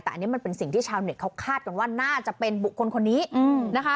แต่อันนี้มันเป็นสิ่งที่ชาวเน็ตเขาคาดกันว่าน่าจะเป็นบุคคลคนนี้นะคะ